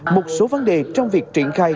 một số vấn đề trong việc triển khai